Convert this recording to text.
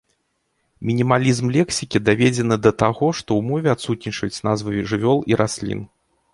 Мінімалізм лексікі даведзены да таго, што ў мове адсутнічаюць назвы жывёл і раслін.